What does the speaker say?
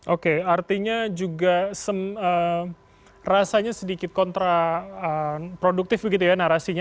oke artinya juga rasanya sedikit kontraproduktif begitu ya narasinya